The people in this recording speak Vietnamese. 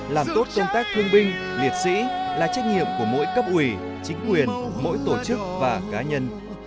làm tốt công tác thương binh liệt sĩ là trách nhiệm của mỗi cấp ủy chính quyền mỗi tổ chức và cá nhân